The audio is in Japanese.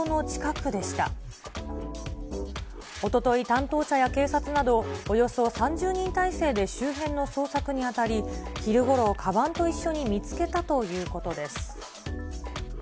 担当者や警察などおよそ３０人態勢で周辺の捜索にあたり、昼ごろ、かばんと一緒に見つけたということです。